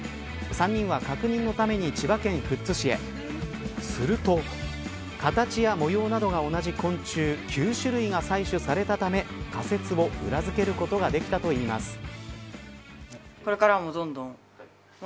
３人は確認のために千葉県富津市へすると形や模様などが同じ昆虫９種類が採取されたため仮説を裏付けることができたといいます。